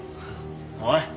おい。